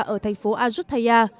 ở thành phố azutthaya